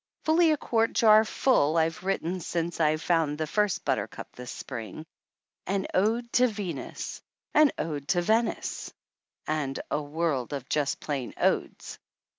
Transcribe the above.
Fully a quart jar full I've written since I found the first butter cup this spring. An ode to Venus, an ode to Venice, and a world of just plain odes.